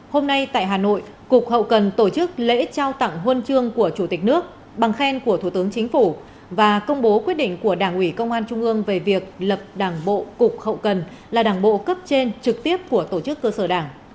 hôm nay tại hà nội cục hậu cần tổ chức lễ trao tặng huân chương của chủ tịch nước bằng khen của thủ tướng chính phủ và công bố quyết định của đảng ủy công an trung ương về việc lập đảng bộ cục hậu cần là đảng bộ cấp trên trực tiếp của tổ chức cơ sở đảng